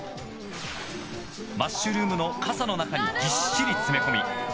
マッシュルームのかさの中にぎっしり詰め込み。